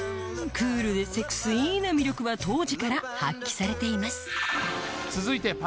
クールでセクスィーな魅力は当時から発揮されています